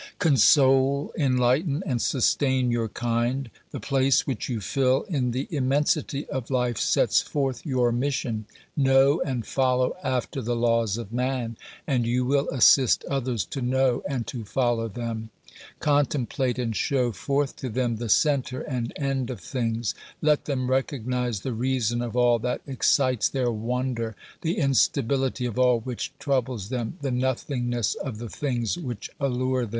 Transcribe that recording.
Console, enlighten and sustain your kind; the place which you fill in the immensity of life sets forth your mission. Know and follow after the laws of man, and you will assist others to know and to follow them. Contemplate and show forth to them the centre and end of things ; let them recognise the reason of all that excites their wonder, the instability of all which troubles them, the nothingness of the things which allure them.